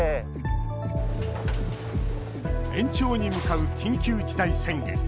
延長に向かう緊急事態宣言。